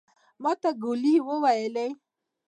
ماته ګولي وويلې.